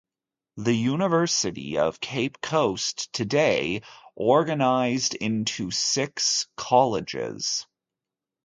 The University of Cape Coast today organized into six colleges.